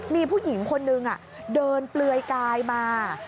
มีผู้หญิงคนนึงเดินเปลือยกายมา